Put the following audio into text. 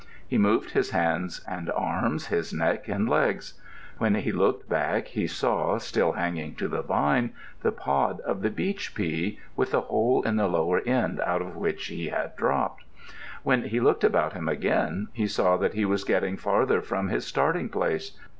He moved his hands and arms, his neck and legs. When he looked back he saw, still hanging to the vine, the pod of the beach pea, with a hole in the lower end out of which he had dropped. When he looked about him again, he saw that he was getting farther from his starting place.